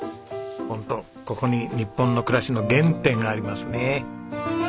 ほんとここに日本の暮らしの原点がありますね。